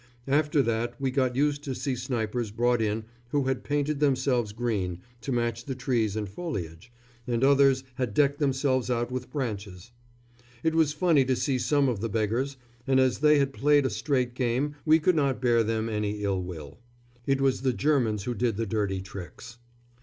After that we got used to see snipers brought in who had painted themselves green, to match the trees and foliage, and others had decked themselves out with branches. It was funny to see some of the beggars, and as they had played a straight game we could not bear them any ill will. It was the Germans who did the dirty tricks.